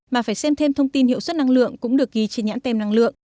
mà phải xem thêm thông tin hiệu suất năng lượng cũng được ghi trên nhãn tem năng lượng